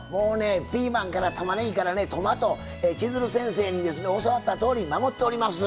ピーマンから、たまねぎトマト千鶴先生に教わったとおり守っております。